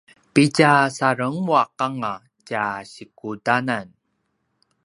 pitja sarenguaq anga tja sikudanan